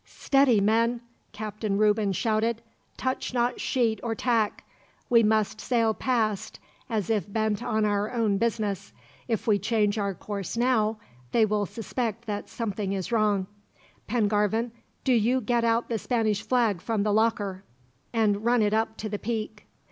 "Steady, men!" Captain Reuben shouted. "Touch not sheet or tack. We must sail past as if bent on our own business. If we change our course, now, they will suspect that something is wrong. "Pengarvan, do you get out the Spanish flag from the locker, and run it up to the peak."